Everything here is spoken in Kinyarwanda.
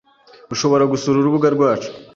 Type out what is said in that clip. Ushobora gusura urubuga rwacu